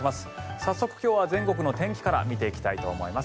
早速、今日は全国の天気から見ていきたいと思います。